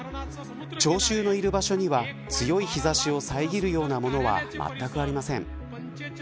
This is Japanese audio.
聴衆のいる場所には強い日差しを遮るようなものはまったくありません。